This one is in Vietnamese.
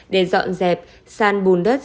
để dọn dẹp san bùn đất